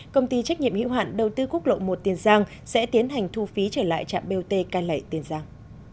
công ty trách nhiệm hữu hạn đầu tư quốc lộ một tiền giang sẽ tiến hành thu phí trở lại trạm bot cai lệ tiền giang